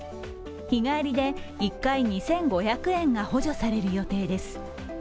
日帰りで１回２５００円が補助される予定です。